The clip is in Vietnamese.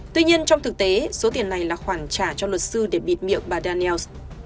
tuy nhiên trong thực tế số tiền này là khoản trả cho luật sư để bịt miệng bà dannels